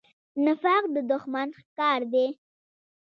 نفاق د دښمن کار دی